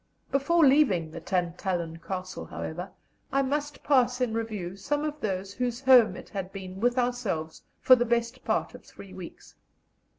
Before leaving the Tantallon Castle, however, I must pass in review some of those whose home it had been with ourselves for the best part of three weeks.